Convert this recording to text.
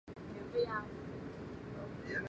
同年授澶州司户参军。